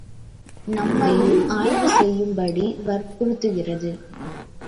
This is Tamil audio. நம்மையும் ஆய்வு செய்யும்படி வற்புறுத்துகிறது.